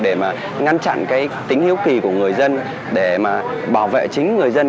để mà ngăn chặn cái tính hiếu kỳ của người dân để mà bảo vệ chính người dân